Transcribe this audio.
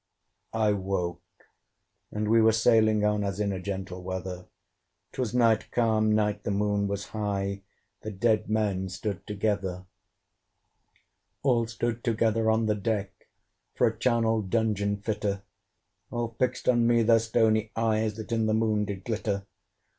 I woke, and we were sailing on As in a gentle weather: 'Twas night, calm night, the Moon was high; The dead men stood together. All stood together on the deck, For a charnel dungeon fitter: All fixed on me their stony eyes, That in the Moon did glitter.